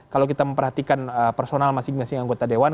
kalau kita memperhatikan personal masing masing anggota dewan